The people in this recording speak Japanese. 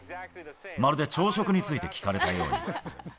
まるで朝食について聞かれたように。